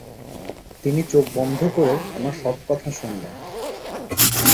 তিনি চোখ বন্ধ করে আমার সব কথা শুনলেন।